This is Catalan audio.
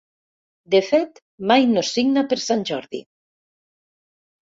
De fet, mai no signa per Sant Jordi.